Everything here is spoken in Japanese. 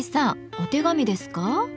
お手紙ですか？